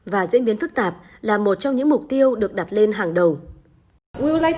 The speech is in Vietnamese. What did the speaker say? và diễn biến phức tạp là một trong những mục tiêu được đặt lên hàng đầu